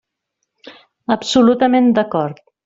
Absolutament d'acord.